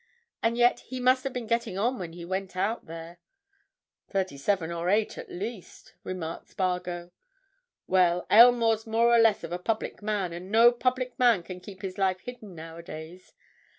And yet, he must have been getting on when he went out there." "Thirty seven or eight, at least," remarked Spargo. "Well, Aylmore's more or less of a public man, and no public man can keep his life hidden nowadays.